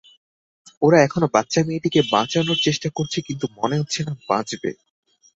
ওরা এখনও বাচ্চা মেয়েটিকে বাঁচানোর চেষ্টা করছে, কিন্তু মনে হচ্ছে না বাঁচবে।